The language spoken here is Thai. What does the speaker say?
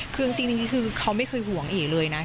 คือจริงคือเขาไม่เคยห่วงเอ๋เลยนะ